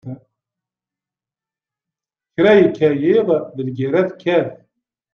Kra yekka yiḍ d lgerra tekkat.